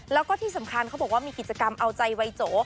แล้วก็ที่สำคัญเขาบอกว่ามีกิจกรรมเอาใจวัยโจ